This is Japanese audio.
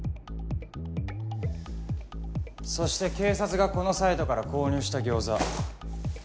そして警察がこのサイトから購入した餃子。